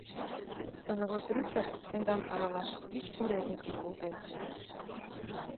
Становой пристав тендам аралаш вич урядникым колтен.